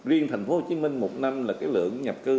riêng thành phố hồ chí minh một năm là cái lượng nhập cư